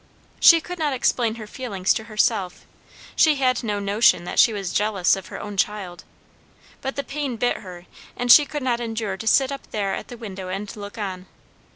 She could not explain her feelings to herself, she had no notion that she was jealous of her own child; but the pain bit her, and she could not endure to sit up there at the window and look on.